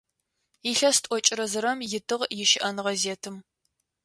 Илъэс тӏокӏрэ зырэм итыгъ ищыӏэныгъэ зетым.